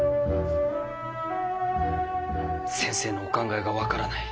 先生のお考えが分からない。